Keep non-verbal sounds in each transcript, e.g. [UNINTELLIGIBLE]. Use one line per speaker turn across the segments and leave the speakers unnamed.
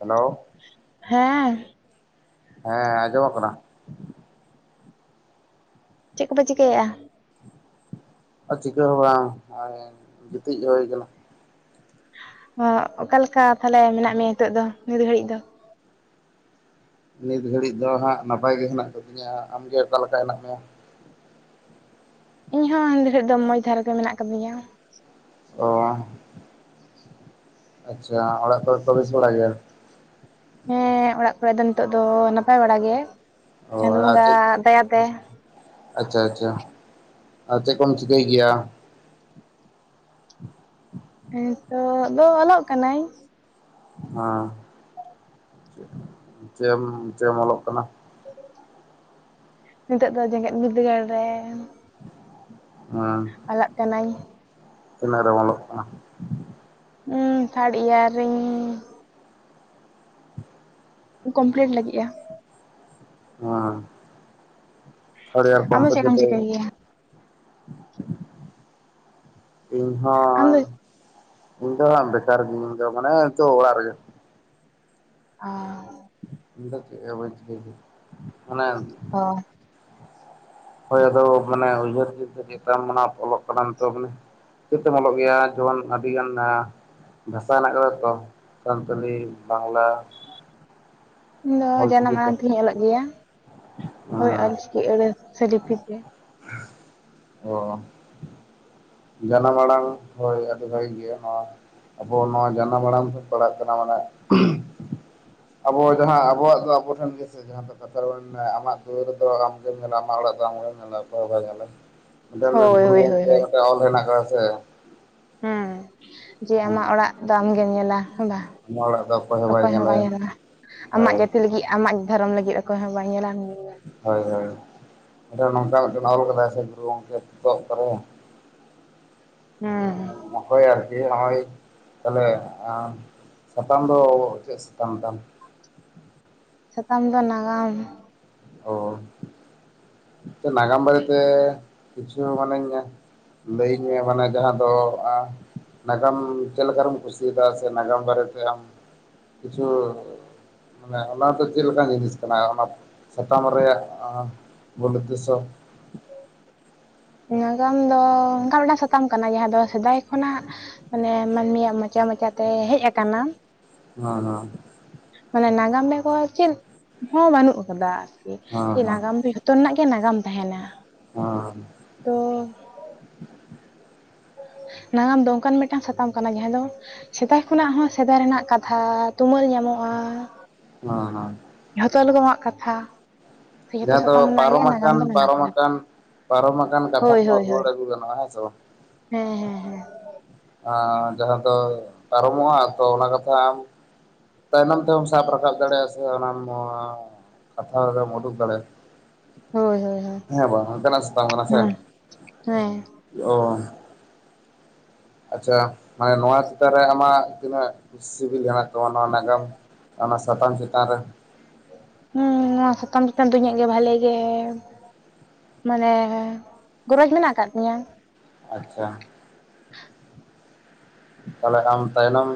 Hello
ᱦᱮᱸ
ᱦᱮᱸ ᱟᱸᱡᱚᱢᱚᱜ ᱠᱟᱱᱟ?
ᱪᱮᱫ ᱠᱚᱯᱮ ᱪᱤᱠᱟᱹᱭᱮᱫᱼᱟ?
ᱟᱨ ᱪᱤᱠᱟᱹ ᱦᱚᱸ ᱵᱟᱝ ᱱᱚᱜ ᱜᱤᱛᱤᱡ ᱦᱩᱭ ᱟᱠᱟᱱᱟ ᱾
ᱚᱠᱟᱞᱮᱠᱟ ᱛᱟᱦᱞᱮ ᱢᱮᱱᱟᱜ ᱢᱮᱭᱟ ᱱᱤᱛᱳᱜ ᱫᱚ ᱱᱤᱫ ᱜᱷᱟᱹᱲᱤᱡ ᱫᱚ?
ᱱᱤᱛ ᱜᱷᱟᱹᱲᱤᱡ ᱫᱚ ᱦᱟᱸᱜ ᱱᱟᱯᱟᱭ ᱜᱮ ᱦᱮᱱᱟᱜ ᱟᱠᱟᱫᱤᱧᱟ, ᱟᱢᱜᱮ ᱚᱠᱟ ᱞᱮᱠᱟ ᱦᱮᱱᱟᱜ ᱢᱮᱭᱟ?
ᱤᱧ ᱦᱚᱸ [UNINTELLIGIBLE] ᱫᱚ ᱢᱚᱸᱡᱽ ᱫᱷᱟᱨᱮ ᱜᱮ ᱢᱮᱱᱟᱜ ᱟᱠᱟᱫᱤᱧᱟ ᱾
ᱚ ᱟᱪᱪᱷᱟ ᱚᱲᱟᱜ ᱠᱚᱨᱮ ᱠᱚ ᱵᱮᱥᱵᱟᱲᱟ ᱜᱮᱭᱟ?
ᱦᱮᱸ ᱚᱲᱟᱜ ᱠᱚᱨᱮ ᱫᱚ ᱱᱤᱛᱚᱜ ᱫᱚ ᱱᱟᱯᱟᱭ ᱵᱟᱲᱟ ᱜᱮ,
ᱚ
ᱪᱟᱸᱫᱚᱳ
ᱟᱨ
ᱵᱚᱸᱜᱟ
ᱪᱮᱫ
ᱫᱟᱭᱟᱛᱮ ᱾
ᱟᱪᱪᱷᱟ ᱟᱪᱪᱷᱟ ᱟᱨ ᱪᱮᱫ ᱠᱚᱢ ᱪᱤᱠᱟᱹᱭ ᱜᱮᱭᱟ?
ᱦᱮᱸᱤᱛᱚᱜ ᱫᱚ ᱚᱞᱚᱜ ᱠᱟᱱᱟᱹᱧ ᱾
ᱦᱮᱸ ᱪᱮᱢ ᱪᱮᱼᱢ ᱚᱞᱚᱜ ᱠᱟᱱᱟ?
ᱱᱤᱛᱚᱜ ᱫᱚ ᱡᱮᱜᱮᱫ ᱵᱤᱫᱟᱹᱜᱟᱲ ᱨᱮ ᱾
ᱚᱸ
ᱚᱞᱚᱜ ᱠᱟᱹᱱᱟᱧ ᱾
ᱛᱤᱱᱟ. ᱜ ᱨᱮ ᱚᱞᱚᱜ ᱠᱟᱱᱟ?
ᱦᱸ ᱛᱷᱟᱨᱰ ᱤᱭᱟᱨ ᱨᱮᱧ ᱠᱚᱢᱯᱞᱤᱴ ᱞᱟᱹᱜᱤᱫᱼᱟ ᱾
ᱦᱩᱸ ᱛᱟᱨᱰᱤᱭᱟᱨ
ᱟᱢᱫᱚ
ᱠᱚᱢᱯᱤᱞᱤᱴ
ᱪᱮᱫ ᱮᱢ
ᱠᱟᱛᱮ
ᱪᱤᱠᱟᱹᱭ ᱜᱮᱭᱟ
ᱤᱧ
ᱟᱢ
ᱦᱚᱸ
ᱫᱚ
ᱤᱧ ᱫᱚ ᱦᱟᱸᱜ ᱵᱮᱠᱟᱨ ᱜᱮ ᱤᱧ ᱫᱚ ᱢᱟᱱᱮ ᱛᱚ ᱚᱲᱟᱜ ᱨᱮᱜᱮ ᱾
ᱟ
ᱤᱧ ᱫᱚ ᱪᱮᱫ ᱦᱚᱸ ᱵᱟᱝ ᱪᱤᱠᱟᱹᱭ ᱜᱮᱭᱟ ᱚᱱᱮ
ᱚ
ᱦᱳᱭ ᱟᱫᱚ ᱢᱟᱱᱮ ᱩᱭᱦᱟᱹᱨ ᱪᱤᱱᱛᱟᱹ ᱪᱮᱫ ᱛᱟᱢ ᱚᱞᱚᱜ ᱠᱟᱱᱟᱢ ᱛᱚ ᱢᱟᱱᱮ ᱪᱮᱛ ᱛᱮᱢ ᱚᱞᱚᱜ ᱜᱮᱭᱟ ᱡᱮᱢᱚᱱ ᱟᱹᱰᱤᱜᱟᱱ ᱵᱷᱟᱥᱟ ᱦᱮᱱᱟᱜ ᱟᱠᱟᱫᱟ ᱛᱚ ᱥᱟᱱᱛᱟᱞᱤ ᱵᱟᱝᱞᱟ ᱾
ᱤᱧ ᱫᱚ ᱡᱟᱱᱟᱢ
ᱛᱮ
ᱟᱲᱟᱝ ᱛᱤᱧ ᱚᱞᱚᱜ ᱜᱮᱭᱟ ᱾ ᱦᱳᱭ ᱚᱞ ᱪᱤᱠᱤ ᱟᱹᱲᱟᱹ ᱥᱮ ᱞᱤᱯᱤ ᱜᱮ ᱾
ᱚ ᱡᱟᱱᱟᱢ ᱟᱲᱟᱝ ᱦᱳᱭ ᱟᱹᱰᱤ ᱵᱷᱟᱹᱜᱤ ᱜᱮᱭᱟ ᱱᱚᱣᱟ ᱟᱵᱚ ᱱᱚᱣᱟ ᱡᱟᱱᱟᱢ ᱟᱲᱟᱝ ᱯᱮ ᱯᱟᱲᱟᱜ ᱠᱟᱱᱟ ᱢᱟᱱᱮ ᱟᱵᱚ ᱡᱟᱦᱟᱸ ᱟᱵᱚᱣᱟᱜ ᱫᱚ ᱟᱵᱚ ᱴᱷᱮᱱ ᱜᱮᱥᱮ ᱡᱟᱦᱟᱸ ᱫᱚ ᱠᱟᱛᱷᱟ ᱨᱮᱠᱟᱝ ᱟᱢᱟᱜ ᱫᱩᱣᱟᱹᱨ ᱫᱚ ᱟᱢ ᱜᱮᱢ ᱧᱮᱞᱟ ᱟᱢᱟᱜ ᱚᱲᱟᱜ ᱫᱚ ᱟᱢ ᱜᱮᱢ ᱧᱮᱞᱟ ᱚᱠᱚᱭ ᱦᱚ ᱵᱟᱭ ᱧᱮᱞᱟ ᱾ ᱚᱱᱮ ᱚᱱᱟ
ᱦᱳᱭ
ᱜᱩᱨᱩ
ᱦᱳᱭ ᱦᱳᱭ
ᱜᱚᱢᱠᱮ
ᱦᱳᱭ
[INAUDIBLE] ᱚᱞ ᱦᱮᱱᱟᱜ ᱟᱠᱟᱫᱟ ᱥᱮ ᱾
ᱦᱮᱸ ᱡᱮ ᱟᱢᱟᱜ ᱚᱲᱟᱜ ᱫᱚ ᱟᱢ ᱜᱮᱢ ᱧᱮᱞᱟ ᱦᱮ ᱵᱟᱝ?
ᱚᱱᱟ ᱚᱲᱟᱜ ᱫᱚ
ᱚᱠᱚᱭ ᱦᱚᱸ ᱵᱟᱭ
ᱧᱮᱞᱟᱭ
ᱧᱮᱞᱟ ᱟᱢᱟᱜ
ᱦᱳᱭ
ᱡᱟᱹᱛᱤ ᱞᱟᱹᱜᱤᱫ ᱟᱢᱟᱜ ᱫᱷᱚᱨᱚᱢ ᱞᱟᱹᱜᱤᱫ ᱚᱠᱚᱭ ᱦᱚᱸ ᱵᱟᱭ ᱧᱮᱞᱟ ᱟᱢ ᱜᱮᱢ ᱧᱮᱞᱟ ᱾
ᱦᱳᱭ ᱦᱳᱭ ᱱᱚᱝᱠᱟ ᱢᱤᱫᱴᱟᱝ ᱚᱞ ᱠᱟᱫᱟᱭ ᱥᱮ ᱜᱩᱨᱩ ᱜᱚᱝᱠᱮ ᱯᱚᱛᱚᱵ ᱠᱚᱨᱮ ᱾
ᱦᱮᱸ
ᱱᱚᱜᱼᱚᱭ ᱟᱨᱠᱤ ᱱᱚᱜᱼᱚᱭ ᱛᱟᱦᱚᱞᱮ ᱥᱟᱛᱟᱢ ᱫᱚ ᱪᱮᱫ ᱥᱟᱛᱟᱢ ᱛᱟᱢ?
ᱥᱟᱛᱟᱢ ᱫᱚ ᱱᱟᱜᱟᱢ ᱾
ᱚ ᱱᱟᱜᱟᱢ ᱵᱟᱨᱮᱛᱮ ᱠᱤᱪᱷᱩ ᱢᱟᱱᱮᱧ ᱞᱟᱹᱭᱟᱹᱧ ᱢᱮ ᱢᱟᱱᱮ ᱡᱟᱦᱟᱸ ᱫᱚ ᱟᱸ ᱱᱟᱜᱟᱢ ᱪᱮᱫ ᱞᱮᱠᱟᱨᱮᱢ ᱠᱩᱥᱤᱭᱟᱫᱟ ᱥᱮ ᱱᱟᱜᱟᱢ ᱵᱟᱨᱮᱛᱮ ᱟᱢ ᱠᱤᱪᱷᱩ ᱢᱟᱱᱮ ᱚᱱᱟ ᱫᱚ ᱪᱮᱫ ᱞᱮᱠᱟᱱ ᱡᱤᱱᱤᱥ ᱠᱟᱱᱟ ᱚᱱᱟ ᱥᱟᱛᱟᱢ ᱨᱮᱭᱟᱜ ᱵᱚᱞ ᱩᱫᱫᱮᱥᱥᱚᱼᱼ
ᱱᱟᱜᱟᱢ ᱫᱚ ᱚᱱᱠᱟ ᱢᱤᱫᱴᱟᱝ ᱥᱟᱛᱟᱢ ᱠᱟᱱᱟ ᱡᱟᱦᱟᱸ ᱫᱚ ᱥᱮᱫᱟᱭ ᱠᱷᱚᱱᱟᱜᱼᱼ ᱢᱟᱱᱮ ᱢᱟᱹᱱᱢᱤᱭᱟᱜ ᱢᱚᱪᱟ ᱢᱚᱪᱟ ᱛᱮ ᱦᱮᱡ ᱟᱠᱟᱱᱟ᱾
ᱦᱟᱸ ᱦᱟᱸ᱾
ᱢᱟᱱᱮ ᱱᱟᱜᱟᱢ ᱵᱮᱜᱚᱨ ᱪᱮᱫ ᱦᱚᱸ ᱵᱟᱹᱱᱩᱜ ᱠᱟᱫᱟ ᱟᱨᱠᱤ
ᱦᱮᱸ
ᱪᱮᱫ ᱱᱟᱜᱟᱢ ᱡᱚᱛᱚ ᱨᱮᱱᱟᱜ ᱜᱮ ᱱᱟᱜᱟᱢ ᱛᱟᱦᱮᱸᱱᱟ ᱾
[UNINTELLIGIBLE]
ᱛᱚᱼᱼ ᱱᱟᱜᱟᱢ ᱫᱚ ᱚᱱᱠᱟᱱ ᱢᱤᱫᱴᱟᱝ ᱥᱟᱛᱟᱢ ᱠᱟᱱᱟ ᱡᱟᱦᱟᱸ ᱫᱚᱼᱼ ᱥᱮᱫᱟᱭ ᱠᱷᱚᱱᱟᱜ ᱦᱚᱸ ᱥᱮᱫᱟᱭ ᱨᱮᱱᱟᱜ ᱠᱟᱛᱷᱟ ᱛᱩᱢᱟᱹᱞ ᱧᱟᱢᱚᱜᱼᱟ᱾
ᱦᱟᱸ ᱦᱟᱸ᱾
ᱡᱷᱚᱛᱚ ᱨᱚᱠᱚᱢᱟᱜ ᱠᱟᱛᱷᱟ᱾ ᱥᱮ ᱡᱚᱛᱚ
ᱡᱟᱦᱟᱸ ᱫᱚ
ᱥᱟᱛᱟᱢ ᱨᱮᱱᱟᱜ ᱜᱮ
ᱯᱟᱨᱚᱢ
ᱱᱟᱜᱟᱢ
ᱟᱠᱟᱱ
ᱫᱚ ᱢᱮᱱᱟᱜ
ᱯᱟᱨᱚᱢ
ᱟᱠᱟᱫᱟ᱾
ᱟᱠᱟᱱ ᱯᱟᱨᱚᱢ ᱟᱠᱟᱱ ᱠᱟᱛᱷᱟ
ᱦᱳᱭ
ᱠᱚᱦᱚᱸ
ᱦᱳᱭ
ᱨᱩᱣᱟᱹᱲ
ᱦᱳᱭ
ᱟᱹᱜᱩ ᱜᱟᱱᱚᱜᱼᱟ, ᱦᱮᱸᱥᱮ ᱵᱟᱝ?
ᱦᱮᱸ ᱦᱮᱸ ᱦᱮᱸ᱾
ᱟ ᱡᱟᱦᱟᱸ ᱫᱚ ᱯᱟᱨᱚᱢᱚᱜᱼᱟ, ᱛᱚ ᱚᱱᱟ ᱠᱟᱛᱷᱟ ᱟᱢᱼᱼ ᱛᱟᱭᱱᱚᱢ ᱛᱮᱦᱚᱢ ᱥᱟᱵ ᱨᱟᱠᱟᱵ ᱫᱟᱲᱮᱭᱟᱜᱼᱟ, ᱥᱮ ᱚᱱᱟᱢ ᱠᱟᱛᱷᱟ ᱨᱮᱢ ᱩᱰᱩᱠ ᱫᱟᱲᱮᱭᱟᱜᱼᱼ
ᱦᱳᱭ ᱦᱳᱭ ᱦᱳᱭ
ᱦᱮᱸ ᱵᱟᱝ ᱚᱱᱠᱟᱱᱟᱜ ᱥᱟᱛᱟᱢ ᱠᱟᱱᱟ ᱥᱮ,
ᱦᱮᱸ ᱦᱮᱸ
ᱚᱼᱼ ᱟᱪᱪᱷᱟ ᱢᱟᱱᱮ ᱱᱚᱣᱟ ᱪᱮᱛᱟᱱ ᱨᱮ ᱟᱢᱟᱜ ᱛᱤᱱᱟᱹᱜ ᱥᱤᱵᱤᱞ ᱦᱮᱱᱟᱜ ᱛᱟᱢᱟ ᱱᱚᱣᱟ ᱱ ᱟᱜᱟᱢ ᱚᱱᱟ ᱥᱟᱛᱟᱢ ᱪᱮᱛᱟᱱ ᱨᱮ?
ᱦᱩᱸ ᱱᱚᱶᱟ ᱥᱟᱛᱟᱢ ᱪᱮᱛᱟᱱ ᱫᱚ ᱤᱧᱟᱹᱜ ᱜᱮ ᱵᱷᱟᱞᱮ ᱜᱮᱼᱼ ᱢᱟᱱᱮ ᱜᱚᱨᱚᱡᱽ ᱢᱮᱱᱟᱜ ᱠᱟᱫ ᱛᱤᱧᱟ᱾
ᱟᱪᱪᱷᱟ᱾ ᱛᱟᱦᱚᱞᱮ ᱟᱢ ᱛᱟᱭᱱᱚᱢ᱾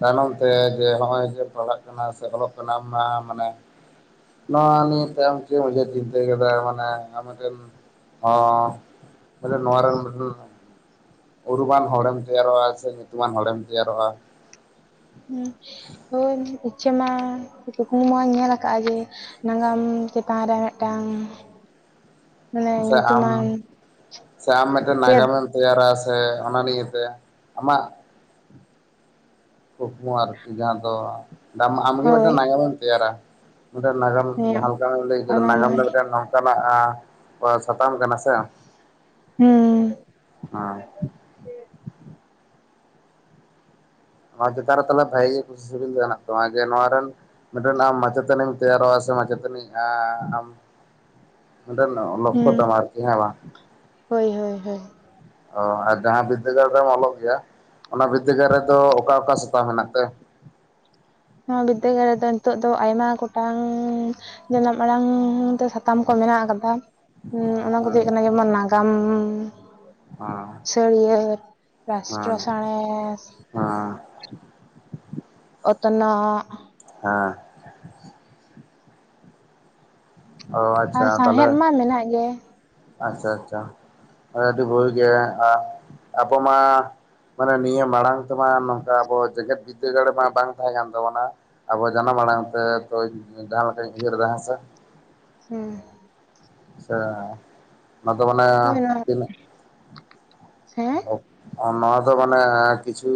ᱛᱟᱭᱱᱚᱢ ᱛᱮ ᱡᱮ ᱚᱜ-ᱚᱭ ᱡᱮ ᱯᱟᱲᱦᱟᱜ ᱠᱟᱱᱟ ᱥᱮ ᱚᱞᱚᱜ ᱠᱟᱱᱟᱢ ᱟᱢ ᱢᱟᱱᱮᱼᱼ ᱱᱚᱣᱟ ᱱᱤᱭᱟᱹ ᱛᱟᱭᱚᱢ ᱛᱮ [UNINTELLIGIBLE] ᱪᱤᱱᱛᱟᱹ ᱠᱮᱫᱟᱭ ᱢᱟᱱᱮ ᱟᱢ ᱢᱤᱫᱴᱮᱱ [UNINTELLIGIBLE] ᱚ ᱢᱟᱱᱮ ᱱᱚᱣᱟ ᱨᱮ [UNINTELLIGIBLE] ᱩᱨᱩᱢᱟᱱ ᱦᱚᱲᱮᱢ ᱛᱮᱭᱟᱨᱚᱜ-ᱟ, ᱥᱮ ᱧᱩᱛᱩᱢᱟᱱ ᱦᱚᱲᱮᱢ ᱛᱮᱭᱟᱨᱚᱜ-ᱟ᱾
ᱦᱮᱸ, ᱦᱳᱭ ᱤᱪᱪᱷᱟᱹ ᱢᱟ ᱠᱩᱠᱢᱩ ᱢᱟᱧ ᱧᱮᱞ ᱟᱠᱟᱫ ᱜᱮ᱾ ᱱᱟᱜᱟᱢ ᱪᱮᱛᱟᱱ ᱨᱮ ᱢᱤᱫᱴᱟᱝ᱾ ᱢᱟᱱᱮ
ᱥᱮ ᱟᱢ
ᱧᱩᱛᱩᱢᱟᱱ
ᱥᱮ ᱟᱢ ᱢᱤᱫᱴᱮᱱ
ᱛᱮᱫ
ᱱᱟᱜᱟᱢ ᱮᱢ ᱛᱮᱭᱟᱨᱟ ᱥᱮ ᱚᱱᱟ ᱱᱤᱭᱟᱹ ᱛᱮ ᱟᱢᱟᱜ᱾ ᱠᱩᱠᱢᱩ ᱟᱨᱠᱤ ᱡᱟᱦᱟᱸ ᱫᱚ ᱟᱢᱜᱮ
ᱦᱳᱭ
ᱢᱤᱫᱴᱮᱱ ᱮᱢ ᱛᱮᱭᱟᱨᱟ᱾ ᱢᱤᱫᱴᱮᱱ ᱱᱟᱜᱟᱢ
ᱦᱮᱸ
ᱡᱟᱦᱟᱸ ᱞᱮᱠᱟ ᱟᱢᱮᱢ ᱞᱟᱹᱭ ᱠᱮᱫᱟ
ᱚᱱᱟ ᱢᱟ
ᱱᱟᱜᱟᱢ ᱫᱚ ᱢᱤᱫᱴᱮᱱ ᱱᱚᱝᱠᱟᱱᱟᱜ ᱥᱟᱛᱟᱢ ᱠᱟᱱᱟ ᱥᱮ?
ᱦᱩᱸ᱾
ᱦᱮᱸ᱾ ᱱᱚᱣᱟ ᱪᱮᱛᱟᱱ ᱨᱮ ᱛᱟᱦᱚᱞᱮ ᱵᱷᱟᱜᱤ ᱜᱮ ᱠᱩᱥᱤ ᱥᱤᱵᱤᱞ ᱫᱚ ᱢᱮᱱᱟᱜ ᱛᱟᱢᱟ, ᱡᱮ ᱱᱚᱣᱟ ᱨᱮᱱ᱾ ᱢᱤᱫᱴᱮᱱ ᱟᱢ ᱢᱟᱪᱮᱛᱟᱱᱤᱢ ᱛᱮᱭᱟᱨᱚᱜᱼᱟ, ᱥᱮ ᱢᱟᱪᱮᱛᱟᱱᱤ ᱟ ᱟᱢ᱾ ᱢᱤᱫᱴᱮᱱ ᱞᱳᱠᱠᱷᱳ
ᱦᱩᱸ
ᱛᱟᱢ ᱟᱨᱠᱤ ᱦᱮᱸ ᱵᱟᱝ?
ᱦᱳᱭ ᱦᱳᱭ ᱦᱳᱭ᱾
ᱚ ᱟᱨ ᱡᱟᱦᱟᱸ ᱵᱤᱫᱽᱫᱟᱹᱜᱟᱲ ᱨᱮᱢ ᱚᱞᱚᱜ ᱜᱮᱭᱟ, ᱚᱱᱟ ᱵᱤᱫᱽᱫᱟᱹᱜᱟᱲ ᱨᱮ ᱫᱚ ᱚᱠᱟ ᱚᱠᱟ ᱥᱮᱛᱟᱢ ᱢᱮᱱᱟᱜ ᱛᱮ?
ᱱᱚᱣᱟ ᱵᱤᱫᱽᱫᱟᱹᱜᱟᱲ ᱨᱮᱫᱚ ᱱᱤᱛᱚᱜ ᱫᱚ ᱟᱭᱢᱟ ᱜᱚᱴᱟᱝ ᱡᱟᱱᱟᱢ ᱟᱲᱟᱝ ᱛᱮ ᱥᱟ ᱥᱟᱛᱟᱢ ᱠᱚ ᱢᱮᱱᱟᱜ ᱟᱠᱟᱫᱟ, ᱚᱱᱟ ᱠᱚ ᱫᱚ
ᱦᱮᱸ
ᱦᱩᱭᱩᱜ ᱠᱟᱱᱟ ᱡᱮᱢᱚᱱ ᱱᱟᱜᱟᱢ
ᱦᱮᱸ
ᱪᱷᱟᱹᱲᱭᱟᱹᱛ ᱨᱟᱥᱴᱨᱚ
ᱦᱮᱸ
ᱥᱟᱬᱮᱥ᱾
[UNINTELLIGIBLE]
ᱚᱛᱱᱚᱜᱼᱼ
ᱦᱮᱸ᱾ ᱚ
ᱟᱨ
ᱟᱪᱪᱷᱟ ᱛᱟᱦᱚᱞᱮ
ᱥᱟᱶᱦᱮᱫ ᱢᱟ ᱢᱮᱱᱟᱜ ᱜᱮ᱾
ᱟᱪᱪᱷᱟ ᱟᱪᱪᱷᱟ ᱟᱹᱰᱤ ᱵᱷᱩᱲ ᱜᱮ ᱟᱵᱚ ᱢᱟᱼᱼ ᱢᱟᱱᱮ ᱱᱤᱭᱟᱹ ᱢᱟᱲᱟᱝ ᱛᱮ ᱢᱟ ᱱᱚᱝᱠᱟ ᱟᱵᱚ ᱡᱮᱜᱮᱛ ᱵᱤᱫᱽᱫᱟᱹᱜᱟᱲ ᱨᱮ ᱢᱟ ᱵᱟᱝ ᱛᱟᱦᱮᱸ ᱠᱟᱱ ᱛᱟᱵᱚᱱᱟ᱾ ᱟᱵᱚ ᱡᱟᱱᱟᱢ ᱟᱲᱟᱝ ᱛᱮ ᱛᱚ ᱡᱟᱦᱟᱸ ᱞᱮᱠᱟᱧ ᱩᱭᱦᱟᱹᱨ ᱮᱫᱟ ᱦᱮᱸᱥᱮ?
ᱦᱩᱸ ᱾
ᱥᱮ ᱚᱱᱟ ᱫᱚ ᱢᱟᱱᱮ
ᱦᱳᱭ ᱱᱚᱣᱟ
ᱛᱤᱱᱟᱹᱜ
ᱦᱮᱸ
ᱱᱚᱣᱟ ᱫᱚ ᱢᱟᱱᱮ ᱠᱤᱪᱷᱩ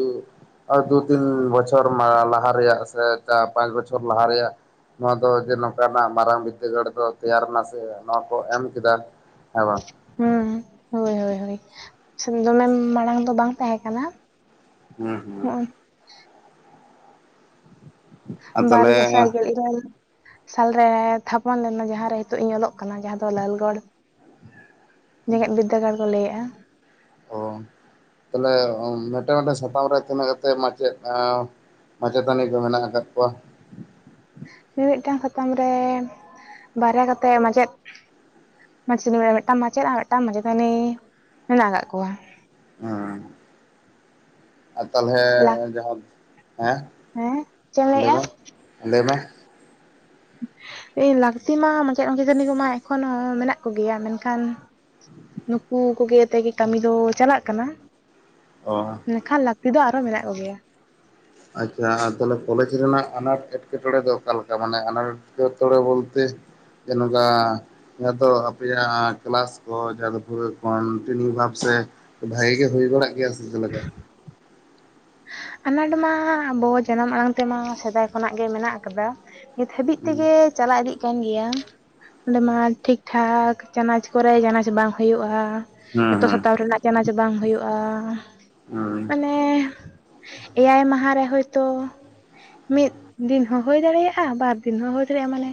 ᱳᱭ ᱫᱩ ᱛᱤᱱ ᱵᱚᱪᱷᱚᱨ ᱞᱟᱦᱟ ᱨᱮᱭᱟᱜ ᱥᱮ ᱪᱟᱨ ᱯᱟᱸᱪ ᱵᱚᱪᱷᱚᱨ ᱞᱟᱦᱟ ᱨᱮᱭᱟᱜ ᱱᱚᱣᱟ ᱫᱚ ᱡᱮ ᱱᱚᱝᱠᱟᱱᱟᱜ ᱢᱟᱨᱟᱝ ᱵᱤᱫᱽᱫᱟᱹᱜᱟᱲ ᱫᱚ ᱛᱮᱭᱟᱨ ᱮᱱᱟ ᱥᱮ ᱱᱚᱣᱟ ᱠᱚ ᱮᱢ ᱠᱮᱫᱟ ᱾ ᱦᱮᱸ ᱵᱟᱝ?
ᱦᱩᱸ ᱦᱳᱭ ᱦᱳᱭ ᱦᱚᱭ ᱫᱚᱢᱮ ᱢᱟᱲᱟᱝ ᱫᱚ ᱵᱟᱝ ᱛᱟᱦᱮᱸ ᱠᱟᱱᱟ ᱾
ᱦᱩᱸ ᱦᱩᱸ᱾ ᱟᱨ
ᱵᱟᱨ
ᱛᱟᱦᱚᱞᱮ
ᱜᱮᱥᱟᱭ ᱜᱮᱞ ᱤᱨᱟᱹᱞ ᱥᱟᱞ ᱨᱮ ᱛᱷᱟᱯᱚᱱ ᱞᱮᱱᱟ ᱡᱟᱦᱟᱸ ᱨᱮ ᱦᱤᱛᱚᱜ ᱤᱧ ᱚᱞᱚᱜ ᱠᱟᱱᱟ ᱡᱟᱦᱟᱸ ᱫᱚ ᱞᱟᱞᱜᱚᱲ ᱡᱮᱜᱮᱸᱫ ᱵᱤᱫᱽᱫᱟᱹᱜᱟᱲ ᱠᱚ ᱞᱟᱹᱭᱮᱜ-ᱟ ᱾
ᱚ, ᱛᱟᱦᱞᱮ ᱢᱮᱴᱮ ᱢᱤᱫᱴᱮᱱ ᱥᱟᱛᱟᱢ ᱨᱮ ᱛᱤᱱᱟᱹᱜ ᱠᱟᱛᱮᱫ ᱢᱟᱪᱮᱫ ᱚᱸᱻ ᱢᱟᱪᱮᱛᱟᱹᱱᱤ ᱠᱚ ᱢᱮᱱᱟᱜ ᱟᱠᱟᱫ ᱠᱚᱣᱟ?
ᱢᱤᱢᱤᱫᱴᱟᱝ ᱥᱟᱛᱟᱢ ᱨᱮᱱ ᱵᱟᱨᱭᱟ ᱠᱟᱛᱮᱫ ᱢᱟᱪᱮᱫ ᱢᱟᱡᱮᱛᱟᱱᱤ [UNINTELLIGIBLE] ᱢᱤᱫᱴᱟᱝ ᱢᱟᱪᱮᱫ ᱟᱨ ᱢᱤᱫᱴᱟᱝ ᱢᱟᱪᱮᱛᱟᱹᱱᱤ ᱢᱮᱱᱟᱜ ᱟᱠᱟᱜ ᱠᱚᱣᱟ ᱾
ᱦᱮᱸ ᱟᱨ ᱛᱟᱦᱚᱞᱮ
ᱞᱟᱠ
ᱡᱟᱦᱟᱸ, ᱦᱮᱸ
ᱦᱮᱸ ᱪᱮᱫ ᱮᱢ
ᱞᱟᱹᱭ
ᱞᱟᱹᱭᱮᱜ-ᱟ?
ᱢᱮ ᱞᱟᱹᱭ ᱢᱮ᱾
ᱟᱹᱭ ᱞᱟᱹᱠᱛᱤ ᱢᱟ ᱢᱟᱪᱮᱫ ᱢᱟᱪᱮᱛᱟᱹᱱᱤ ᱠᱚ ᱢᱟ ᱮᱠᱷᱚᱱ ᱦᱚᱸ ᱢᱮᱱᱟᱜ ᱠᱚ ᱜᱮᱭᱟ ᱢᱮᱱᱠᱷᱟᱱ ᱱᱩᱠᱩ ᱠᱚ ᱜᱮ ᱛᱮᱜᱮ ᱠᱟᱹᱢᱤ ᱫᱚ ᱪᱟᱞᱟᱜ ᱠᱟᱱᱟ ᱾
ᱚᱸ ᱾
ᱢᱮᱱᱠᱷᱟᱱ ᱞᱟᱹᱠᱛᱤ ᱫᱚ ᱟᱨᱦᱚᱸ ᱢᱮᱱᱟᱜ ᱠᱚ ᱜᱮᱭᱟ ᱾
ᱟᱪᱪᱷᱟ ᱟᱨ ᱛᱟᱦᱚᱞᱮ ᱠᱚᱞᱮᱡᱽ ᱨᱮᱱᱟᱜ ᱟᱱᱟᱴ ᱮᱴᱠᱮᱴᱚᱬᱮ ᱫᱚ ᱚᱠᱟᱞᱮᱠᱟ ᱢᱟᱱᱮ ᱟᱱᱟᱴ [UNINTELLIGIBLE] ᱛᱚᱲᱮ ᱵᱚᱞᱛᱮ ᱡᱮ ᱱᱚᱠᱟ ᱡᱟᱦᱟᱸ ᱫᱚ ᱟᱯᱮᱭᱟᱜ ᱠᱮᱞᱟᱥ ᱠᱚ ᱡᱟᱦᱟᱸ ᱫᱚ ᱯᱩᱨᱟᱹ ᱠᱚᱱᱴᱤᱱᱤᱭᱩ ᱵᱷᱟᱵ ᱥᱮ ᱵᱷᱟᱜᱮ ᱜᱮ ᱦᱩᱭ ᱵᱟᱲᱟᱜ ᱜᱮᱭᱟ ᱪᱮᱫ ᱞᱮᱠᱟ?
ᱟᱱᱟᱴ ᱢᱟ ᱟᱵᱚ ᱡᱟᱱᱟᱢ ᱟᱲᱟᱝ ᱛᱮᱢᱟ ᱥᱮᱫᱟᱭ ᱠᱷᱚᱱᱟᱜ ᱜᱮ ᱢᱮᱱᱟᱜ ᱟᱠᱟᱫᱟ ᱾ ᱱᱤᱛ ᱦᱟᱹᱵᱤᱡ
ᱦᱮᱸ
ᱛᱮᱜᱮ ᱪᱟᱞᱟ ᱤᱫᱤᱜ ᱠᱟᱱ ᱜᱮᱭᱟ ᱾ ᱚᱸᱰᱮ ᱢᱟ ᱴᱷᱤᱠ ᱴᱷᱟᱠ ᱪᱟᱱᱟᱪ ᱠᱚᱨᱮ ᱪᱟᱱᱟᱪ ᱵᱟᱝ ᱦᱳᱭᱳᱜᱼᱟ,
ᱦᱮᱸ
ᱡᱚᱛᱚ ᱥᱟᱛᱟᱢ ᱨᱮᱱᱟᱜ ᱪᱟᱱᱟᱪ ᱵᱟᱝ ᱦᱳᱭᱳᱜᱼᱟ,
ᱦᱮᱸ
ᱢᱟᱱᱮ ᱮᱭᱟᱭ ᱢᱟᱦᱟ ᱨᱮ ᱦᱳᱭᱛᱚ ᱢᱤᱫ ᱫᱤᱱ ᱦᱚᱸ ᱦᱳᱭ ᱫᱟᱲᱮᱭᱟᱜᱼᱟ ᱵᱟᱨᱫᱤᱱ ᱦᱚᱸ ᱦᱳᱭ ᱫᱟᱲᱮᱭᱟᱜᱼᱟ ᱢᱟᱱᱮ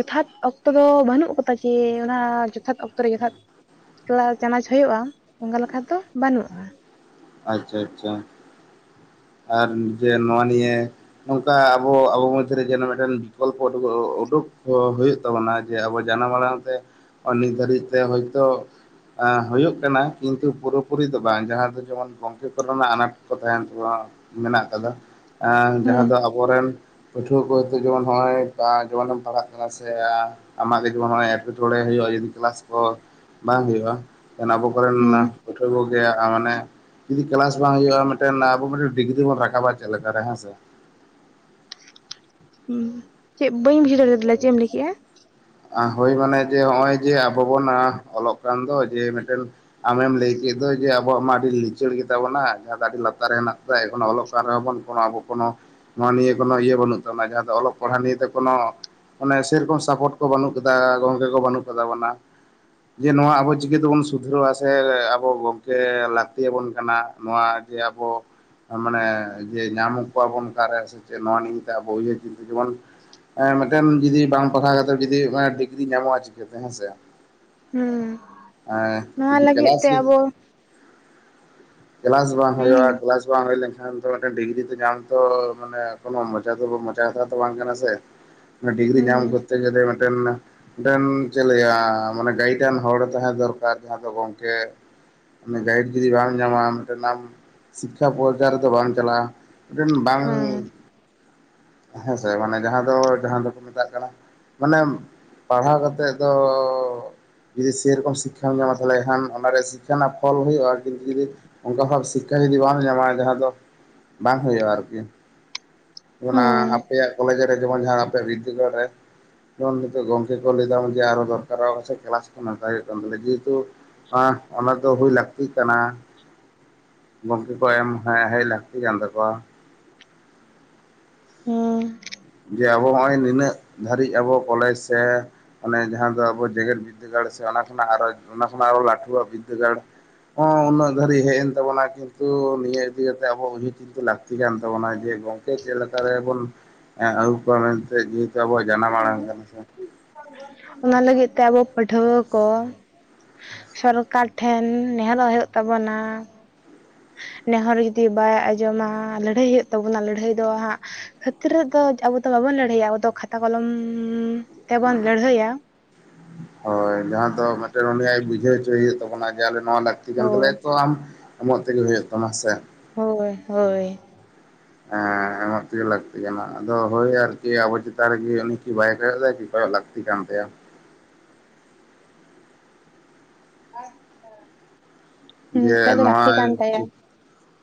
ᱡᱚᱛᱷᱟᱛ ᱚᱠᱛᱚ ᱫᱚ ᱵᱟᱹᱱᱩᱜ ᱠᱚᱫᱟ ᱠᱮ ᱚᱱᱟ ᱡᱚᱛᱷᱟᱛ ᱚᱠᱛᱚ ᱨᱮ ᱡᱚᱛᱷᱟᱛ ᱠᱞᱟ ᱪᱟᱱᱟᱪ ᱦᱳᱭᱳᱜᱼᱟ ᱚᱝᱠᱟ ᱞᱮᱠᱷᱟ ᱫᱚ ᱵᱟᱹᱱᱩᱜᱼᱟ ᱾
ᱟᱪᱪᱷᱟ ᱟᱪᱪᱷᱟ ᱾ ᱟᱨ ᱡᱮ ᱱᱚᱣᱟ ᱱᱤᱭᱮ ᱚᱝᱠᱟ ᱟᱵᱚ ᱟᱵᱚ ᱢᱚᱫᱽᱫᱷᱮᱨᱮ ᱡᱮᱱᱚ ᱢᱮᱫᱴᱮᱱ ᱵᱤᱠᱚᱞᱯᱚ ᱳᱰᱳ ᱜᱚ ᱳᱰᱳᱠ ᱦᱚ ᱦᱩᱭᱩᱜ ᱛᱟᱵᱚᱱᱟ ᱡᱮ ᱟᱵᱚ ᱡᱟᱱᱟᱢ ᱟᱲᱟᱝ ᱛᱮ ᱚᱭ ᱱᱤᱛ ᱫᱷᱟᱹᱨᱤᱡ ᱛᱮ ᱦᱚᱭᱛᱚ ᱟᱸ ᱦᱳᱭᱳᱜ ᱠᱟᱱᱟ ᱾ ᱠᱤᱱᱛᱩ ᱯᱩᱨᱟᱹᱯᱩᱨᱤ ᱫᱚ ᱵᱟᱝ ᱡᱟᱦᱟᱸ ᱫᱚ ᱡᱮᱢᱚᱱ ᱜᱚᱝᱠᱮ ᱠᱚᱨᱮᱱᱟᱜ ᱟᱱᱟᱴ ᱠᱚ ᱛᱟᱦᱮᱱ ᱛᱟᱵᱚᱱᱟ ᱢᱮᱱᱟᱜ ᱠᱟᱫᱟ ᱮ
ᱦᱩᱸ
ᱡᱟᱦᱟᱸ ᱫᱚ ᱟᱵᱚ ᱨᱮᱱ ᱯᱟᱹᱴᱷᱩᱣᱟᱹ ᱠᱚ ᱦᱚᱭᱛᱚ ᱡᱮᱢᱚᱱ ᱦᱚᱜᱼᱚᱭ ᱠᱟ ᱡᱮᱢᱚᱱᱮᱢ ᱯᱟᱲᱦᱟᱜ ᱠᱟᱱᱟ ᱥᱮ ᱟᱼᱼ ᱟᱢᱟᱜ ᱜᱮ ᱡᱮᱢᱚᱱ ᱦᱚᱜᱼᱚᱭ ᱮᱸᱴᱠᱮᱴᱚᱬᱮ ᱦᱳᱭᱳᱜᱼᱟ, ᱡᱩᱫᱤ ᱠᱮᱞᱟᱥ ᱠᱚ ᱦᱚ ᱵᱟᱝ ᱦᱳᱭᱳᱜᱼᱟ ᱛᱟᱦᱚᱱᱮ ᱟᱵᱚ ᱠᱚᱨᱮᱱ
ᱦᱩᱸ
ᱯᱟᱹᱴᱷᱩᱣᱟᱹ ᱠᱚᱜᱮ ᱟ ᱢᱟᱱᱮ ᱡᱩᱫᱤ ᱠᱞᱟᱥ ᱵᱟᱝ ᱦᱳᱭᱳᱜᱼᱟ ᱢᱮᱫᱴᱮᱱ ᱟᱵᱚ ᱢᱮᱫᱴᱮᱱ ᱰᱤᱜᱽᱨᱤ ᱵᱚᱱ ᱨᱟᱠᱟᱵᱼᱟ ᱪᱮᱫ ᱞᱮᱠᱟ ᱨᱮ ᱦᱮᱸ ᱥᱮ ᱾
ᱩᱸ, ᱪᱮᱫ ᱵᱟᱹᱧ ᱵᱩᱡᱷᱟᱹᱣ ᱫᱟᱲᱮᱭᱟ [UNINTELLIGIBLE] ᱫᱮᱞᱟ ᱪᱮᱫ ᱮᱢ ᱞᱟᱹᱭ ᱠᱮᱜᱼᱟ?
ᱦᱳᱭ ᱢᱟᱱᱮ ᱡᱮ ᱦᱚᱜᱼᱚᱭ ᱡᱮ ᱟᱵᱚ ᱵᱚᱱ ᱚᱞᱚᱜ ᱠᱟᱱ ᱫᱚ ᱡᱮ ᱢᱮᱫᱴᱮᱱ ᱟᱢᱮᱢ ᱞᱮᱭ ᱠᱮᱫ ᱫᱚ ᱡᱮ ᱟᱵᱚᱣᱟᱜ ᱢᱟ ᱟᱹᱰᱤ ᱞᱤᱪᱟᱹᱲ ᱜᱮᱛᱟᱵᱚᱱᱟ ᱡᱟᱦᱟᱸ ᱫᱚ ᱟᱹᱰᱤ ᱞᱟᱛᱟᱨ ᱨᱮ ᱦᱮᱱᱟᱜ [UNINTELLIGIBLE] ᱮᱠᱷᱚᱱᱚ ᱚᱞᱚᱜ ᱠᱟᱱ ᱨᱮᱦᱚ ᱵᱚᱱ ᱠᱚᱱᱳ ᱟᱵᱚ ᱠᱚᱱᱳ ᱱᱚᱣᱟ ᱱᱤᱭᱮ ᱠᱳᱱᱳ ᱤᱭᱟᱹ ᱵᱟᱹᱱᱩᱜ ᱛᱟᱵᱚᱱᱟ, ᱡᱟᱦᱟᱸ ᱫᱚ ᱚᱞᱚᱜ ᱯᱟᱲᱦᱟᱜ ᱱᱤᱭᱮ ᱛᱮ ᱠᱚᱱᱚ ᱢᱟᱱᱮ ᱥᱮᱨᱚᱠᱚᱢ ᱥᱟᱯᱳᱨᱴ ᱾ ᱠᱚ ᱵᱟᱹᱱᱩᱜ ᱠᱟᱫᱟ ᱜᱚᱝᱠᱮ ᱠᱚ ᱵᱟᱹᱱᱩᱜ ᱠᱚᱛᱟ ᱵᱚᱱᱟ᱾ ᱡᱮ ᱱᱚᱣᱟ ᱟᱵᱚ ᱪᱤᱠᱟᱹ ᱛᱮᱵᱚᱱ ᱥᱩᱫᱷᱨᱟᱹᱣᱟ ᱥᱮ ᱟᱵᱚ ᱜᱚᱝᱠᱮ ᱞᱟᱹᱠᱛᱤᱭᱟᱵᱚᱱ ᱠᱟᱱᱟ ᱱᱚᱣᱟᱼᱼ ᱡᱮ ᱟᱵᱚᱼᱼ ᱢᱟᱱᱮ ᱡᱮ ᱧᱟᱢ ᱠᱚᱣᱟᱵᱚᱱ ᱚᱠᱟᱨᱮ ᱥᱮ ᱪᱮᱫ ᱱᱚᱣᱟ ᱱᱤᱭᱮᱛᱮ ᱟᱵᱚ ᱩᱭᱦᱟᱹᱨ ᱪᱤᱱᱛᱟᱹ ᱡᱮᱢᱚᱱᱼᱼ ᱮᱸ ᱢᱤᱫᱴᱮᱱ ᱡᱩᱫᱤ ᱵᱟᱝ ᱯᱟᱲᱦᱟᱣ ᱠᱟᱛᱮᱫ ᱡᱩᱫᱤ ᱮ ᱰᱤᱜᱽᱨᱤ ᱧᱟᱢᱚᱜᱼᱟ ᱪᱤᱠᱟᱹᱛᱮ ᱦᱮᱸᱥᱮ
ᱦᱩᱸ
᱾ ᱮᱸ
ᱱᱚᱣᱟ
ᱡᱩᱫᱤ
ᱞᱟᱹᱜᱤᱫ
ᱠᱞᱟᱥ
ᱛᱮ
[UNINTELLIGIBLE]
ᱟᱵᱚ
ᱠᱞᱟᱥ ᱵᱟᱝ
ᱦᱩᱸ
ᱦᱳᱭᱳᱜᱼᱟ, ᱠᱞᱟᱥᱼᱼ ᱵᱟᱝ ᱦᱳᱭ ᱞᱮᱝᱠᱷᱟᱱ ᱫᱚ ᱢᱮᱱᱴᱮᱱ ᱰᱤᱜᱽᱨᱤ ᱫᱚ ᱧᱟᱢ ᱛᱚ ᱢᱟᱱᱮ ᱠᱚᱱᱚ ᱢᱚᱪᱟ ᱫᱚ ᱢᱚᱪᱟ ᱠᱟᱛᱷᱟ ᱫᱚ ᱵᱟᱝ ᱠᱟᱱᱟ ᱥᱮ᱾ ᱚᱱᱟ ᱰᱤᱜᱽᱨᱤ
ᱦᱩᱸ
ᱧᱟᱢ ᱠᱚᱛᱛᱮ ᱜᱮᱞᱮ ᱢᱮᱫᱴᱮᱱᱼᱼ ᱢᱤᱴᱮᱱ ᱪᱮᱜ ᱞᱟᱹᱭᱟ ᱢᱟᱱᱮ ᱜᱟᱭᱤᱰᱟᱱ ᱦᱚᱲ ᱛᱟᱦᱮᱸ ᱫᱚᱨᱠᱟᱨ ᱡᱟᱦᱟᱸ ᱫᱚ ᱜᱚᱝᱠᱮᱼᱼ ᱜᱟᱭᱤᱰ ᱡᱩᱫᱤ ᱵᱟᱢ ᱧᱟᱢᱟᱢ ᱢᱮᱫᱴᱮᱱ ᱟᱢ ᱥᱤᱠᱠᱷᱟ ᱯᱚᱨᱡᱟᱭ ᱨᱮᱫᱚ ᱵᱟᱢ ᱪᱟᱞᱟᱜᱼᱟ᱾ ᱢᱤᱫᱴᱮᱱ ᱵᱟᱝ
ᱦᱩᱸ
ᱦᱮᱸᱥᱮ ᱢᱟᱱᱮ ᱡᱟᱦᱟᱸ ᱫᱚ ᱡᱟᱦᱟᱸ ᱫᱚᱠᱚ ᱢᱮᱛᱟᱜ ᱠᱟᱱᱟᱼᱼ ᱢᱟᱱᱮ ᱯᱟᱲᱦᱟᱣ ᱠᱟᱛᱮᱜ ᱫᱚᱼᱼ ᱡᱩᱫᱤ ᱥᱮᱨᱚᱠᱚᱢ ᱥᱤᱠᱠᱷᱟᱢ ᱧᱟᱢᱟ ᱛᱟᱦᱚᱞᱮ ᱠᱷᱟᱱ ᱚᱱᱟᱨᱮᱣᱟᱜ ᱥᱤᱠᱠᱷᱟ ᱱᱟᱜ ᱯᱷᱚᱞ ᱦᱳᱭᱳᱜᱼᱟ, ᱠᱤᱱᱛᱩ ᱡᱩᱫᱤᱼᱼ ᱚᱝᱠᱟ ᱵᱷᱟᱵ ᱥᱤᱠᱠᱷᱟ ᱡᱩᱫᱤ ᱵᱟᱢ ᱧᱟᱢᱟ ᱡᱟᱦᱟᱸ ᱫᱚ ᱵᱟᱝ ᱦᱳᱭᱳᱜᱼᱟ, ᱟᱨᱠᱤᱼᱼ ᱚᱱᱟ
ᱦᱩᱸ
ᱟᱯᱮᱭᱟᱜ ᱠᱚᱞᱮᱡᱽ ᱨᱮ ᱡᱮᱢᱚᱱ ᱡᱟᱦᱟᱸ ᱟᱯᱮᱭᱟᱜ ᱵᱤᱫᱽᱫᱟᱹᱜᱟᱲ ᱨᱮᱼᱼ ᱡᱮᱢᱚᱱ ᱱᱤᱛᱳᱜ ᱜᱚᱝᱠᱮ ᱠᱚ ᱞᱮᱭᱫᱟᱢ ᱡᱮ ᱟᱨᱚ ᱫᱚᱨᱠᱟᱨᱚᱜᱼᱟ ᱠᱚ ᱥᱮ ᱠᱮᱞᱟᱥ ᱠᱚ ᱱᱟᱯᱟᱭ ᱦᱳᱭᱳᱜ ᱠᱟᱱ ᱛᱟᱞᱮᱭᱟ ᱡᱮᱦᱮᱛᱩᱼᱼ ᱦᱟ ᱚᱱᱟ ᱫᱚ ᱦᱩᱭ ᱞᱟᱹᱠᱛᱤᱜ ᱠᱟᱱᱟ᱾ ᱜᱚᱝᱠᱮ ᱠᱚ ᱮᱢ ᱦᱮᱸ ᱦᱮᱡ ᱞᱟᱹᱠᱛᱤ ᱠᱟᱱ ᱛᱟᱠᱚᱣᱟᱼᱼ
ᱦᱩᱸ᱾
ᱡᱮ ᱟᱵᱚ ᱦᱚᱜᱼᱚᱭ ᱱᱤᱱᱟᱹᱜ ᱫᱷᱟᱹᱨᱤᱡ ᱟᱵᱚ ᱠᱚᱞᱮᱡᱽ ᱥᱮᱼᱼ ᱚᱱᱮ ᱡᱟᱦᱟᱸ ᱫᱚ ᱟᱵᱚ ᱡᱮᱜᱮᱫ ᱵᱤᱫᱽᱫᱟᱹᱜᱟᱲ ᱥᱮ ᱚᱱᱟ ᱠᱷᱚᱱᱟᱜ ᱟᱨᱚ ᱚᱱᱟ ᱠᱷᱚᱱᱟᱜ ᱟᱨᱚ ᱞᱟᱹᱴᱷᱩᱣᱟᱜ ᱵᱤᱫᱽᱫᱟᱹᱜᱟᱲ᱾ ᱩᱱᱟᱹᱜ ᱫᱷᱟᱹᱨᱤᱡ ᱦᱮᱡ ᱮᱱ ᱛᱟᱵᱚᱱᱟ, ᱠᱤᱱᱛᱩ ᱱᱤᱭᱟᱹ ᱤᱫᱤ ᱠᱟᱛᱮ ᱟᱵᱚᱼᱼ ᱞᱟᱹᱠᱛᱤ ᱠᱟᱱ ᱛᱟᱵᱚᱱᱟ ᱡᱮ ᱜᱚᱝᱠᱮ ᱪᱮᱫ ᱞᱮᱠᱟ ᱨᱮ ᱵᱚᱱᱼᱼ ᱟᱹᱜᱩ ᱠᱚᱣᱟ ᱢᱮᱱᱛᱮ ᱡᱮᱦᱮᱛᱩ ᱟᱵᱚᱣᱟᱜ ᱡᱟᱱᱟᱢ ᱟᱲᱟᱝ ᱠᱟᱱᱟ ᱥᱮ᱾
ᱚᱱᱟ ᱞᱟᱹᱜᱤᱫ ᱛᱮ ᱟᱵᱚ ᱯᱟᱹᱴᱷᱩᱣᱟᱹ ᱠᱚᱼᱼ ᱥᱚᱨᱠᱟᱨ ᱴᱷᱮᱱ ᱱᱮᱦᱚᱸᱨᱚᱜ ᱦᱩᱭᱩᱜ ᱛᱟᱵᱚᱱᱟ᱾ ᱱᱮᱦᱚᱸᱨ ᱡᱩᱫᱤ ᱵᱟᱭ ᱟᱸᱡᱚᱢᱟ ᱞᱟᱹᱲᱦᱟᱹᱭ ᱦᱩᱭᱩᱜ ᱛᱟᱵᱚᱱᱟ, ᱞᱟᱹᱲᱦᱟᱹᱭ ᱫᱚ ᱦᱟᱸᱜᱼᱼ ᱦᱟᱹᱛᱨᱟᱹᱫ ᱨᱮᱫᱚ ᱟᱵᱚ ᱫᱚ ᱵᱟᱵᱚᱱ ᱞᱟᱹᱲᱦᱟᱹᱭᱟ ᱟᱵᱚ ᱫᱚ ᱠᱷᱟᱛᱟ ᱠᱚᱞᱚᱢ ᱛᱮᱵᱚᱱ ᱞᱟᱹᱲᱦᱟᱹᱭᱟ᱾
ᱦᱳᱭ ᱡᱟᱦᱟᱸ ᱫᱚ ᱢᱤᱫᱴᱮᱱ ᱩᱱᱤ ᱟᱡ ᱵᱩᱡᱷᱟᱹᱣ ᱦᱚᱪᱚᱭ ᱦᱩᱭᱩᱜ ᱛᱟᱵᱚᱱᱟ ᱡᱮ ᱟᱞᱮ ᱱᱚᱣᱟ ᱞᱮᱼᱼ ᱛᱤ ᱠᱟᱱ
ᱦᱳᱭ
ᱛᱟᱞᱮᱭᱟ ᱛᱚ ᱟᱢ ᱮᱢᱚᱜ ᱛᱮᱜᱮ ᱦᱩᱭᱩᱜ ᱛᱟᱢᱟ ᱥᱮ᱾
ᱦᱳᱭ ᱦᱳᱭ᱾
ᱦᱮᱸ᱾ ᱛᱮᱜᱮ ᱞᱟᱹᱠᱛᱤ ᱠᱟᱱᱟ ᱟᱫᱚ ᱦᱳᱭ ᱟᱨᱠᱤ ᱟᱵᱚ ᱪᱮᱛᱟᱱ ᱨᱮᱜᱮ ᱩᱱᱤ ᱠᱤ ᱵᱟᱭ ᱠᱚᱭᱚᱜ ᱮᱫᱟᱭ ᱠᱤ ᱠᱚᱭᱚᱜ ᱞᱟᱹᱠᱛᱤ ᱠᱟᱱ ᱛᱟᱭᱟ᱾
ᱟᱪᱪᱷᱟ
ᱡᱮ ᱱᱚᱣᱟᱭ
ᱠᱟᱱ ᱛᱟᱭᱟ
ᱴᱷᱤᱠᱼᱼ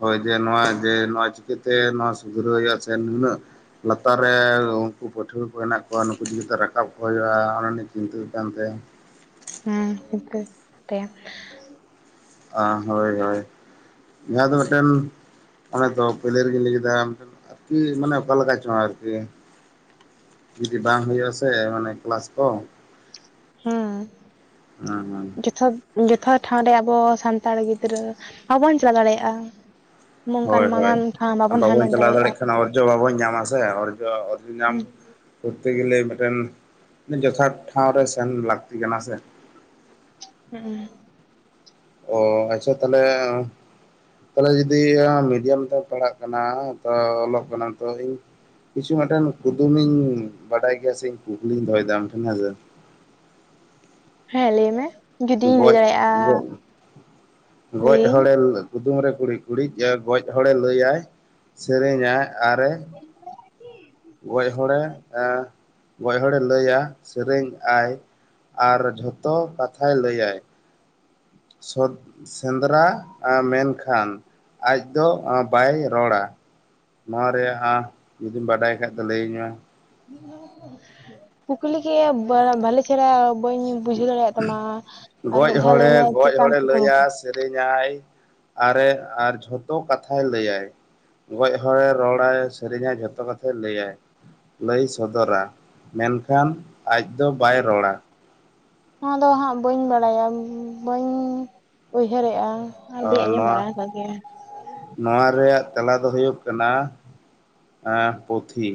ᱦᱳᱭ ᱡᱮ ᱱᱚᱣᱟ ᱡᱮ ᱱᱚᱣᱟ ᱪᱤᱠᱟᱹᱛᱮ ᱱᱚᱣᱟ ᱥᱩᱫᱷᱨᱟᱹᱣ ᱦᱩᱭᱩᱜᱼᱟ, ᱥᱮ ᱱᱩᱱᱟᱹᱜᱼᱼ ᱞᱟᱛᱟᱨ ᱨᱮ ᱩᱱᱠᱩ ᱯᱟᱹᱴᱷᱩᱣᱟᱹ ᱠᱚ ᱦᱮᱱᱟᱜ ᱠᱚᱣᱟ ᱱᱩᱠᱩ ᱪᱤᱠᱟᱹ ᱛᱮ ᱨᱟᱠᱟᱵ ᱠᱚ ᱦᱩᱭᱩᱜᱼᱟ, ᱚᱱᱟ ᱱᱤᱭᱮ ᱪᱤᱱᱛᱟᱹ ᱫᱚ ᱛᱟᱦᱮᱱ ᱛᱟᱭᱟ᱾
ᱦᱮᱸ [UNINTELLIGIBLE] ᱛᱮᱱ
ᱦᱳᱭ ᱦᱳᱭ ᱡᱟᱦᱟᱸ ᱫᱚ ᱢᱤᱫᱴᱮᱱᱼᱼ ᱚᱱᱮ ᱛᱚ ᱯᱳᱭᱞᱳ ᱨᱮᱜᱮᱧ ᱞᱟᱹᱭ ᱠᱮᱫᱟ ᱟᱢ ᱴᱷᱮᱱ ᱟᱨᱠᱤ ᱢᱟᱱᱮ ᱚᱠᱟ ᱞᱮᱠᱟ ᱪᱚᱝ ᱟᱨᱠᱤᱼᱼ ᱡᱩᱫᱤ ᱵᱟᱝ ᱦᱩᱭᱩᱜᱼᱟ ᱥᱮ ᱢᱟᱱᱮ ᱠᱞᱟᱥ ᱠᱚ
ᱦᱩᱸ
ᱦᱮᱸ ᱦᱮᱸ
ᱡᱚᱛᱷᱟᱛ᱾ ᱡᱚᱛᱷᱟᱛ ᱴᱷᱟᱶ ᱨᱮ ᱟᱵᱚ ᱥᱟᱱᱛᱟᱲ ᱜᱤᱫᱽᱨᱟᱹ ᱵᱟᱵᱚᱱ ᱪᱟᱞᱟᱣ ᱫᱟᱲᱮᱭᱟᱜᱼᱟ᱾ ᱱᱚᱝᱠᱟᱱ
ᱦᱳᱭ ᱦᱳᱭ
ᱢᱟᱨᱟᱝ ᱴᱷᱟᱶ
ᱟᱨ
ᱵᱟᱵᱚᱱ
ᱵᱟᱵᱚᱚᱱ
ᱦᱟᱢᱮᱴ
ᱪᱟᱞᱟᱣ ᱫᱟᱲᱮᱭᱟᱜ
ᱫᱟᱲᱮᱭᱟᱜᱼᱟ
ᱠᱷᱟᱱ ᱚᱨᱡᱚ ᱵᱟᱵᱚᱱ ᱧᱟᱢᱟ ᱥᱮ ᱚᱨᱡᱚ ᱚᱨᱡᱚ ᱧᱟᱢᱼᱼ ᱠᱚᱨᱛᱮ ᱜᱮᱞᱮ ᱢᱤᱫᱴᱮᱱ ᱡᱚᱛᱷᱟᱛ ᱴᱷᱟᱶ ᱨᱮ ᱥᱮᱱ ᱞᱟᱹᱠᱛᱤ ᱠᱟᱱᱟ ᱥᱮ᱾
ᱦᱩᱸᱩᱼᱼ
ᱚ ᱟᱪᱪᱷᱟ ᱛᱟᱦᱚᱞᱮᱼᱼ ᱛᱟᱦᱚᱞᱮ ᱡᱚᱫᱤ ᱢᱤᱰᱤᱭᱟᱢ ᱛᱮᱢ ᱯᱟᱲᱦᱟᱜ ᱠᱟᱱᱟ ᱛᱚ ᱚᱞᱚᱜ ᱠᱟᱱᱟᱢ ᱛᱚ ᱤᱧᱼᱼ ᱠᱤᱪᱷᱩ ᱢᱤᱫᱴᱮᱱ ᱠᱩᱫᱩᱢ ᱤᱧ ᱵᱟᱰᱟᱭ ᱜᱮᱭᱟ ᱥᱮ ᱤᱧ ᱠᱩᱠᱞᱤᱧ ᱫᱚᱦᱚᱭᱫᱟ ᱟᱢ ᱴᱷᱮᱱ ᱦᱮᱸᱥᱮ᱾
ᱦᱮᱸ ᱞᱟᱹᱭ ᱢᱮ ᱡᱩᱫᱤᱧ ᱞᱟᱹᱭ
ᱜᱚᱡ
ᱫᱟᱲᱮᱭᱟᱜᱼᱟ,
ᱜᱚᱡ
‌
ᱜᱚᱡ
ᱞᱟᱹᱭᱟᱹᱧᱼᱼ
ᱦᱚᱲᱮ ᱠᱩᱫᱩᱢ ᱨᱮ ᱠᱩᱲᱤᱫ ᱠᱩᱲᱤᱫ ᱜᱚᱡ ᱦᱚᱲᱮ ᱞᱟᱹᱭ ᱟᱭ ᱥᱮᱨᱮᱧ ᱟᱭ ᱟᱨᱮ ᱜᱚᱡ ᱦᱚᱲᱮ ᱮᱸ ᱜᱚᱡ ᱦᱚᱲᱮ ᱞᱟᱹᱭᱟ ᱥᱮᱨᱮᱧ ᱟᱭ ᱟᱨ ᱡᱷᱚᱛᱚ ᱠᱟᱛᱷᱟᱭ ᱞᱟᱹᱭᱟᱭ ᱾ ᱥᱚᱛ ᱥᱮᱸᱫᱽᱨᱟ ᱢᱮᱱᱠᱷᱟᱱ ᱟᱡ ᱫᱚ ᱵᱟᱭ ᱨᱚᱲᱟ ᱾ ᱱᱚᱣᱟ ᱨᱮᱭᱟᱜ ᱡᱩᱫᱤᱢ ᱵᱟᱰᱟᱭ ᱠᱷᱟᱡ ᱫᱚ ᱞᱟᱹᱭᱟᱹᱧ ᱢᱮ?
ᱯᱩᱠᱞᱤ ᱜᱮ ᱵᱟ ᱵᱷᱟᱞᱮ ᱪᱮᱦᱨᱟ ᱵᱟᱹᱧ ᱵᱩᱡᱷᱟᱹᱣ ᱫᱟᱲᱮᱭᱟᱜ ᱛᱟᱢᱟ
ᱢᱮ
ᱟᱨ
ᱜᱚᱡ
ᱢᱤᱫ ᱫᱷᱟᱣ ᱞᱟᱹᱭ ᱢᱮ
ᱦᱚᱲᱮ
ᱪᱮᱜ
ᱜᱚᱡ
ᱠᱟᱢ
ᱦᱚᱲᱮ
ᱠᱩᱠᱢᱩ ᱠᱮ
ᱞᱟᱹᱭᱟ ᱥᱮᱨᱮᱧᱟᱭ ᱟᱨᱮ ᱟᱨ ᱡᱷᱚᱛᱚ ᱠᱟᱛᱷᱟᱭ ᱞᱟᱹᱭᱟᱭ ᱾ ᱜᱚᱡ ᱦᱚᱲᱮ ᱨᱚᱲᱟᱭ ᱥᱮᱨᱮᱧ ᱟᱭ ᱡᱷᱚᱛᱚ ᱠᱟᱛᱷᱟᱭ ᱞᱟᱹᱭᱟᱭ ᱾ ᱞᱟᱹᱭ ᱥᱚᱫᱚᱨᱟ ᱢᱮᱱᱠᱷᱟᱱ ᱟᱡ ᱫᱚ ᱵᱟᱭ ᱨᱚᱲᱟ ᱾
ᱱᱚᱣᱟ ᱫᱚ ᱦᱟᱸᱜ ᱵᱟᱹᱧ ᱵᱟᱰᱟᱭᱟ ᱵᱟᱹᱧ ᱩᱭᱦᱟᱹᱨᱮᱜᱼᱟ ᱾
ᱚ ᱱᱚᱣᱟ ᱱᱚᱣᱟ ᱨᱮᱭᱟᱜ ᱛᱮᱞᱟ ᱫᱚ ᱦᱩᱭᱩᱜ ᱠᱟᱱᱟ ᱟᱸ ᱯᱩᱛᱷᱤ